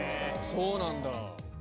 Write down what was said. そうなんだ。